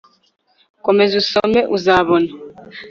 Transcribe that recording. komeza usome uzabona